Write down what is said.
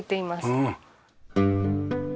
うん。